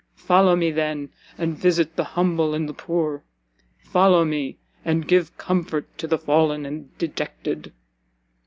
Follow me, then, and visit the humble and the poor, follow me, and give comfort to the fallen and dejected!"